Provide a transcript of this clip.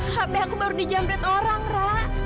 hape aku baru dijamret orang ra